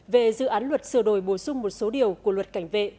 về dự án luật sửa đổi bổ sung một số điều của luật cảnh vệ